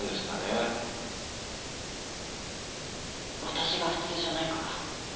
私が普通じゃないから。